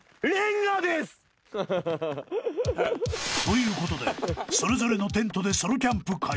［ということでそれぞれのテントでソロキャンプ開始］